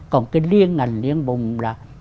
còn cái liên ngành liên vùng là